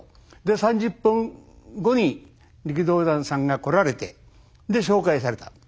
で３０分後に力道山さんが来られてで紹介された。